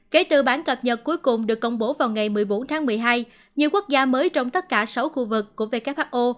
kể từ bản cập nhật cuối cùng được công bố vào ngày một mươi bốn tháng một mươi hai nhiều quốc gia mới trong tất cả sáu khu vực của who